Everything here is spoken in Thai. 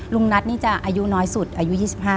ลุงนัทนี่จะอายุน้อยสุดอายุ๒๕